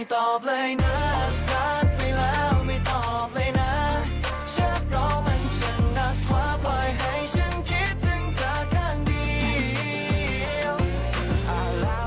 ตอนแรกเราก็นึกว่าแบบ